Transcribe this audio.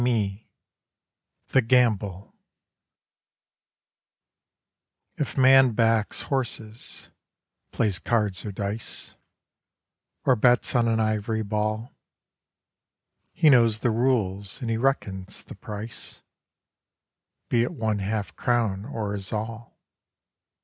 THE GAMBLE If man backs horses, plays cards or dice, Or bets on an ivory ball, He knows the rules, and he reckons the price Be it one half crown, or his all.